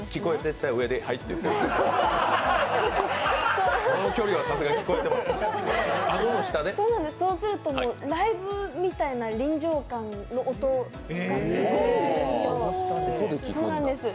そうすると、ライブみたいな臨場感の音がすごいんですよ。